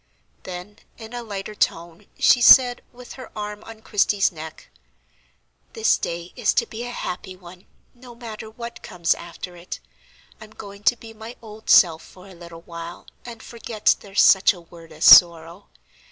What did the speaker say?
Then, in a lighter tone, she said, with her arm on Christie's neck: "This day is to be a happy one, no matter what comes after it. I'm going to be my old self for a little while, and forget there's such a word as sorrow.